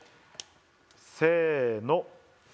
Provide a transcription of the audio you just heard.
せの。